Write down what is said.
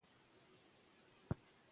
ازادي راډیو د اقلیتونه حالت په ډاګه کړی.